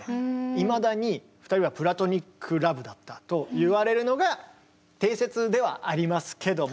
いまだに２人はプラトニックラブだったといわれるのが定説ではありますけども。